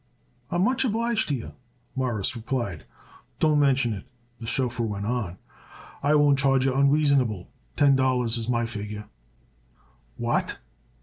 "I'm much obliged to you," Morris replied. "Don't mention it," the chauffeur went on. "I won't charge you unreasonable. Ten dollars is my figure." "What!"